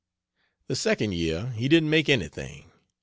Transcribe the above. The second year, he didn't make anything.